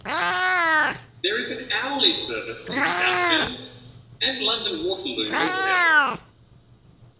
There is an hourly service to southbound and London Waterloo northbound.